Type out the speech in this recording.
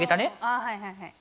あはいはいはい。